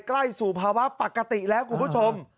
ใกล้สู่ภาวะปกติแล้วคุณผู้ชม